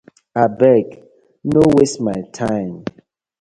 Abeg! No waste my time.